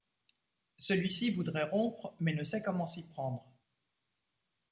Celui-ci voudrait rompre mais ne sait comment s'y prendre.